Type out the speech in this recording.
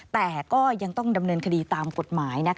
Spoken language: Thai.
แต่ก็ยังต้องดำเนินคดีตามกฎหมาย